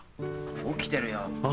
起きてるよ。